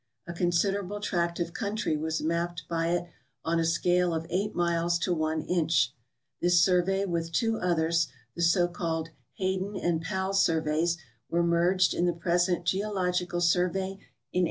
A considerable tract of country was mapped by it on a scale of 8 miles to 1 inch. This survey wnth two others, the so called Hay den and Powell surveys, were merged in the present Geological Survey in 1879.